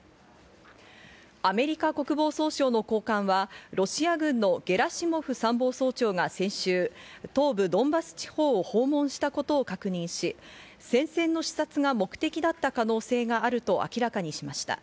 アメリカ国防総省の高官はロシア軍のゲラシモフ参謀総長が先週、東部ドンバス地方を訪問したことを確認し、戦線の視察が目的だった可能性があると明らかにしました。